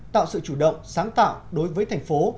tạo sự chủ động sáng tạo đối với thành phố